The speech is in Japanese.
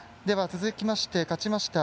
続きまして勝ちました